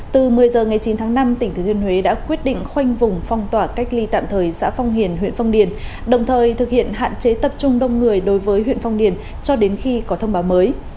từ một mươi giờ ngày chín tháng năm tỉnh thừa thiên huế đã quyết định khoanh vùng phong tỏa cách ly tạm thời xã phong hiền huyện phong điền đồng thời thực hiện hạn chế tập trung đông người đối với huyện phong điền cho đến khi có thông báo mới